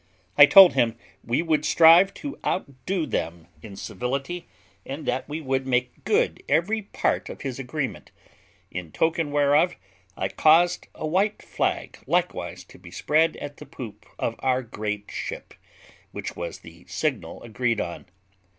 I told him we would strive to outdo them in civility, and that we would make good every part of his agreement; in token whereof, I caused a white flag likewise to be spread at the poop of our great ship, which was the signal agreed on.